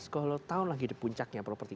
kalau tahun lagi di puncaknya properti